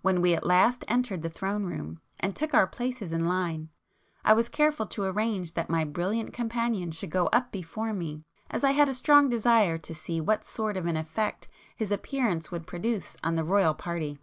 When we at last entered the throne room, and took our places in line, I [p 190] was careful to arrange that my brilliant companion should go up before me, as I had a strong desire to see what sort of an effect his appearance would produce on the Royal party.